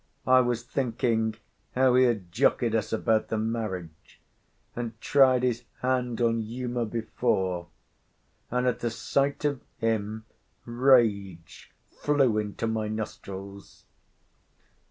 I was thinking how he had jockeyed us about the marriage, and tried his hand on Uma before; and at the sight of him rage flew into my nostrils.